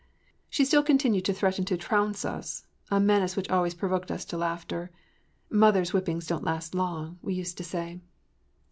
She still continued to threaten to “trounce” us, a menace which always provoked us to laughter. “Mother’s whippings don’t last long,” we used to say.